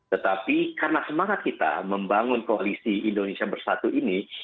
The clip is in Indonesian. tetapi karena semangat kita membangun koalisi indonesia bersatu ini